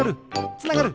つながる！